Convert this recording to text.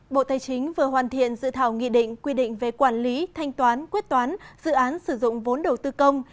bộ tài chính vừa hoàn thiện dự thảo nghị định quy định về quản lý thanh toán quyết toán dự án sử dụng vốn đầu tư công